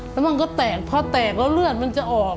แล้วมันก็แตกพอแตกแล้วเลือดมันจะออก